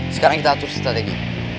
sekarang kita atur siksa dedy